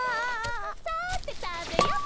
さてたべようっと。